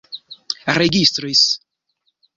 registris